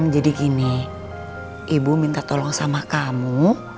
jadi gini ibu minta tolong sama kamu